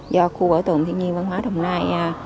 do khu bảo tồn thiên nhiên văn hóa đồng nai